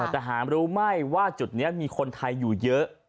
แต่หารู้ไม่ว่าจุดนี้มีคนไทยอยู่เยอะ